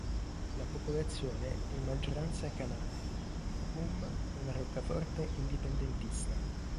La popolazione è in maggioranza kanak e Poum è una roccaforte indipendentista.